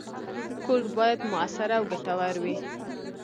کوډ باید موثر او ګټور وي.